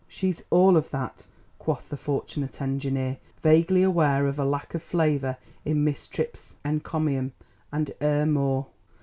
"She's all of that," quoth the fortunate engineer, vaguely aware of a lack of flavour in Miss Tripp's encomium, "and er more."